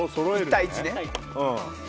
１対１ね。